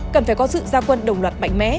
cần phải có sự gia quân đồng loạt mạnh mẽ